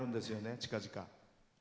近々。